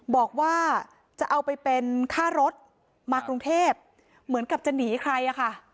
บอกว่าจะเอาไปเป็นค่ารถมากรุงเทพเหมือนกับจะหนีใครอะค่ะ